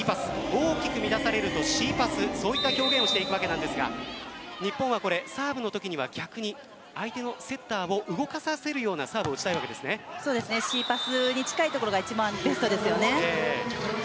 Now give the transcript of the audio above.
大きく乱されるとＣパスそういった表現をしていくわけなんですが日本はサーブのときには逆に相手のセッターを動かさせるようなサーブをＣパスに近いところが一番ベストですよね。